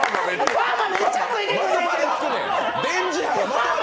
パーマ、めっちゃついてくる。